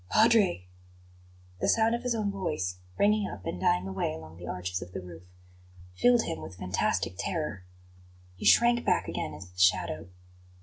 "Padre!" The sound of his own voice, ringing up and dying away along the arches of the roof, filled him with fantastic terror. He shrank back again into the shadow.